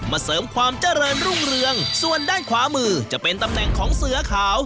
เสริมความเจริญรุ่งเรืองส่วนด้านขวามือจะเป็นตำแหน่งของเสือขาว